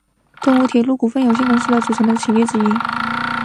东武铁道股份有限公司的组成企业之一。